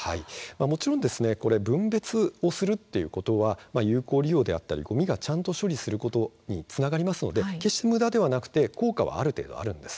もちろん分別をするということは有効利用であったりごみがちゃんと処分されることにつながりますので決してむだではなく、効果があるんです。